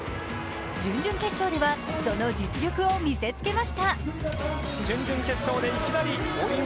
準々決勝ではその実力を見せつけました。